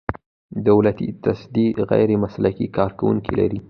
دولتي تصدۍ غیر مسلکي کارکوونکي لري.